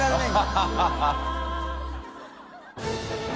ハハハ